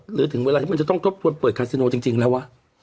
หรือถึงเวลาที่มันจะต้องเปิดคาสิโนว์จริงแล้ว